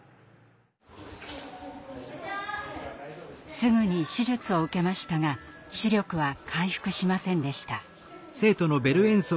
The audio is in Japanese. すぐに手術を受けましたが視力は回復しませんでした。